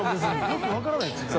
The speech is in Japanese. よく分からないですね。